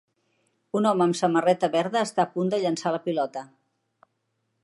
Un home amb samarreta verda està a punt de llançar la pilota.